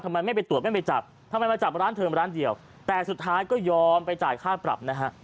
ทำไมไม่ไปตรวจไม่ไปจับทำไมมาจับร้านเธอร้านเดียวแต่สุดท้ายก็ยอมไปจ่ายค่าปรับนะฮะ